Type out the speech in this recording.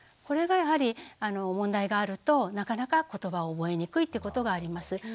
これがやはり問題があるとなかなかことばを覚えにくいってことがあります。